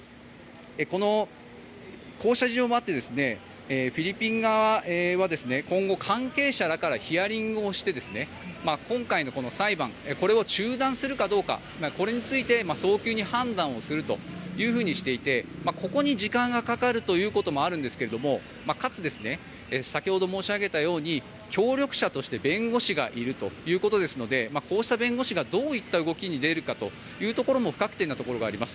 こうした事情もあってフィリピン側は今後、関係者らからヒアリングをして今回の裁判これを中断するかどうかこれについて早急に判断するとしていてここに時間がかかるということもあるんですけれどかつ、先ほど申し上げたように協力者として弁護士がいるということですのでこうした弁護士がどういった動きに出るかというところも不確定なところがあります。